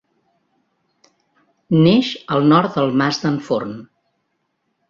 Neix al nord del Mas d'en Forn.